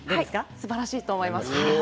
すばらしいと思います。